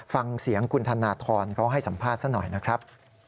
ฟังเสียงคุณธนทรเขาให้สัมภาษณ์ซะหน่อยนะครับ